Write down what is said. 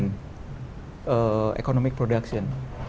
untuk menjaga ekonomi production